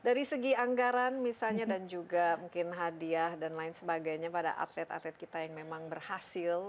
dari segi anggaran misalnya dan juga mungkin hadiah dan lain sebagainya pada atlet atlet kita yang memang berhasil